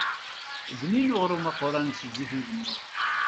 Bnin uɣrum aquran s zzit n uzemmur.